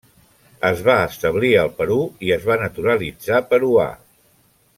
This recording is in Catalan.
Es va establir al Perú i es va naturalitzar peruà.